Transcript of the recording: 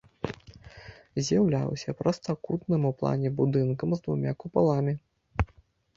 З'яўляўся прастакутным у плане будынкам з двума купаламі.